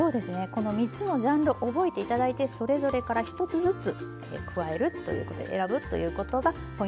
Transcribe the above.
この３つのジャンル覚えて頂いてそれぞれから１つずつ加えるということ選ぶということがポイントになります。